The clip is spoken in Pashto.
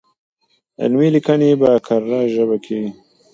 علمي ليکنې په کره ژبه کيږي.